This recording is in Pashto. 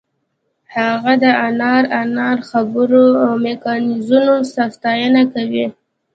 هغه د انار انار خبرو او مکیزونو ستاینه کوي